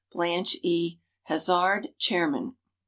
Blanche E. Hazard, chairman.